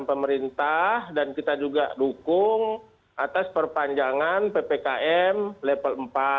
dan pemerintah dan kita juga dukung atas perpanjangan ppkm level empat